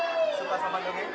suka sama dongeng